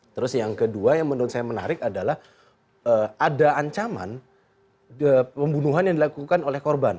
terus yang kedua yang menurut saya menarik adalah ada ancaman pembunuhan yang dilakukan oleh korban